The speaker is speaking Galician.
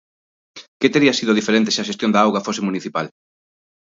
Que tería sido diferente se a xestión da auga fose municipal?